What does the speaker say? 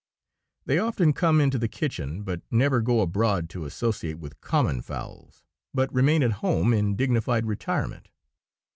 They often come into the kitchen, but never go abroad to associate with common fowls, but remain at home in dignified retirement.